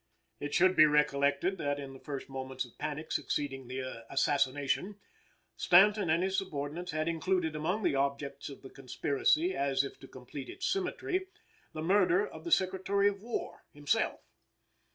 It should be recollected that, in the first moments of the panic succeeding the assassination, Stanton and his subordinates had included among the objects of the conspiracy, as if to complete its symmetry, the murder of the Secretary of War, himself.